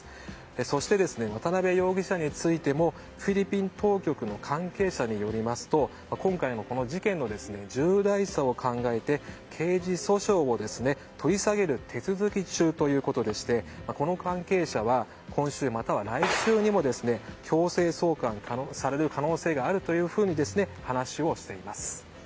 そして渡辺容疑者についてもフィリピン当局の関係者によりますと今回の事件の重大さを考えて刑事訴訟を取り下げる手続き中ということでしてこの関係者は今週、または来週にも強制送還される可能性があるというふうに話をしています。